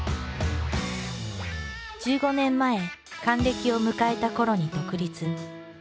１５年前還暦を迎えたころに独立。